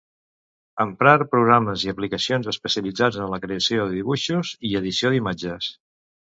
Emprar programes i aplicacions especialitzats en la creació de dibuixos i l'edició d'imatges.